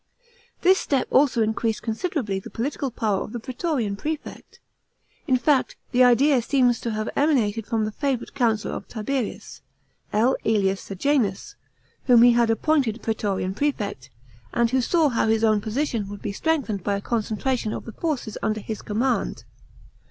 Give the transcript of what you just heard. This step also increased considerably the political power ot the praetorian prefect ; in fact, the idea seems to have emanated from the favourite councillor of Tiberius, L. ^lius Sejanus, whom he had appointed praetorian prefect, and who saw how his own position would be strengthened by a concentration of the forces under his command.